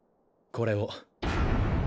これを。